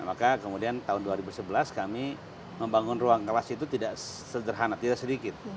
maka kemudian tahun dua ribu sebelas kami membangun ruang kelas itu tidak sederhana tidak sedikit